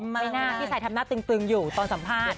ไม่น่าพี่ชายทำหน้าตึงอยู่ตอนสัมภาษณ์